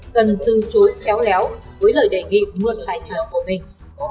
cần từ chối khéo léo với lời đề nghị mua tài sản của mình